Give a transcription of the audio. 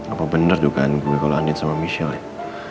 apa bener juga handphone gue kalo andien sama michelle ya